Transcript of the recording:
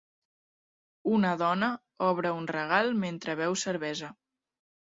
Una dona obre un regal mentre beu cervesa.